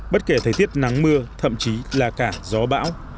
bất kể thời tiết nắng mưa thậm chí là cả gió bão